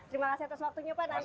terima kasih atas waktunya pak nanti